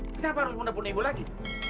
kenapa harus menebuk naibu lagi